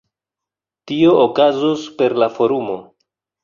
Tio okazos per la forumo.